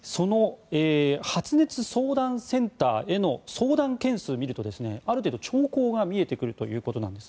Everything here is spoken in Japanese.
発熱相談センターへの相談件数を見るとある程度、兆候が見えてくるということなんです。